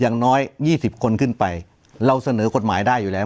อย่างน้อย๒๐คนขึ้นไปเราเสนอกฎหมายได้อยู่แล้ว